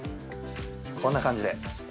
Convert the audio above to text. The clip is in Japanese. こんな感じで。